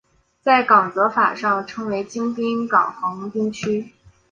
在港则法上称为京滨港横滨区。